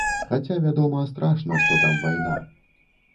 Хаця, вядома, страшна, што там вайна.